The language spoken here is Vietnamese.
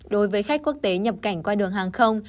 đối với khách quốc tế nhập cảnh qua đường hàng không